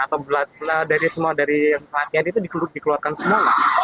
atau belas belas dari semua dari pelatihan itu dikeluarkan semua